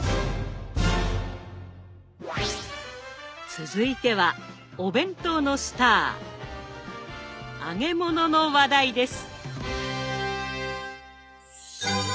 続いてはお弁当のスター揚げ物の話題です。